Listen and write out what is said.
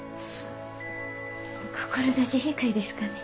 志低いですかね？